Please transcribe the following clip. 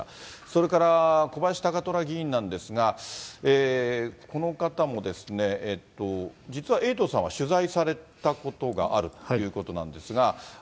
それから小林貴虎議員なんですが、この方も、実はエイトさんは、取材されたことがあるということなんですが。